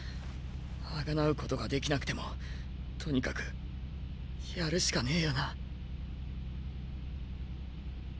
贖うことができなくてもとにかくやるしかねぇよな。